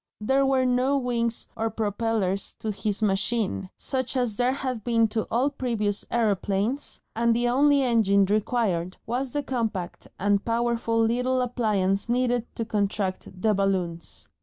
There were no wings or propellers to his machine, such as there had been to all previous aeroplanes, and the only engine required was the compact and powerful little appliance needed to contract the balloons.